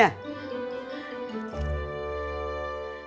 makasih ya be